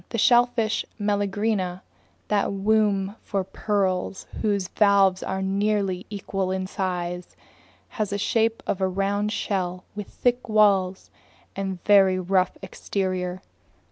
The shellfish Meleagrina, that womb for pearls whose valves are nearly equal in size, has the shape of a round shell with thick walls and a very rough exterior.